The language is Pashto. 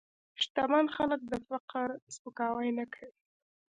شتمن خلک د فقر سپکاوی نه کوي.